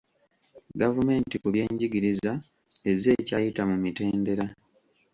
GavumentI ku byenjigiriza ezze ekyayita mu mitendera.